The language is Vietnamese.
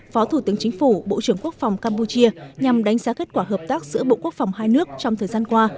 phó thủ tướng chính phủ bộ trưởng quốc phòng campuchia nhằm đánh giá kết quả hợp tác giữa bộ quốc phòng hai nước trong thời gian qua